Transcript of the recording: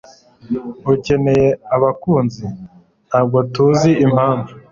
ukeneye abakunzi (ntabwo tuzi impamvu